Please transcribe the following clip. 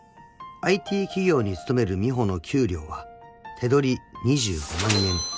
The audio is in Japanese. ［ＩＴ企業に勤める美帆の給料は手取り２５万円］